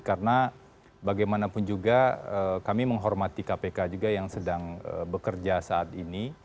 karena bagaimanapun juga kami menghormati kpk juga yang sedang bekerja saat ini